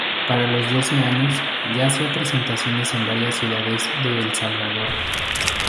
Para los doce años ya hacía presentaciones en varias ciudades de El Salvador.